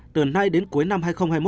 từ nay đến cuối năm hai nghìn hai mươi một